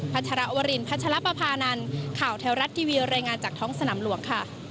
ชรวรินพัชรปภานันข่าวแถวรัฐทีวีรายงานจากท้องสนามหลวงค่ะ